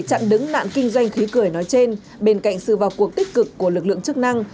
chặn đứng nạn kinh doanh khí cười nói trên bên cạnh sự vào cuộc tích cực của lực lượng chức năng